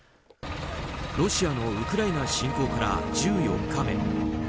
ロシアのウクライナ侵攻から１４日目。